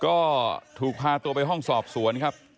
ก็ถูกพาตัวไปห้องสอบสวนครับ